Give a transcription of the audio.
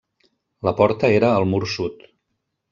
La porta era al mur sud.